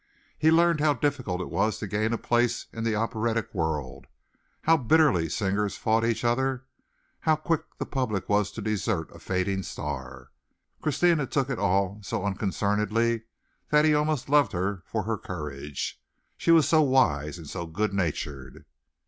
He learned how difficult it was to gain a place in the operatic world, how bitterly singers fought each other, how quick the public was to desert a fading star. Christina took it all so unconcernedly that he almost loved her for her courage. She was so wise and so good natured.